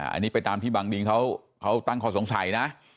อันนี้ไปตามที่บังดินเขาตั้งข้อสงสัยนะ